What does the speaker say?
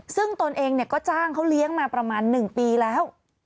ซึ่งตนเองก็จ้างเขาเลี้ยงมาประมาณ๑ปีแล้ว